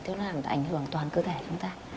thì nó làm ảnh hưởng toàn cơ thể chúng ta